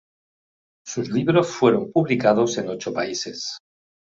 Sus libros fueron publicados en ocho países.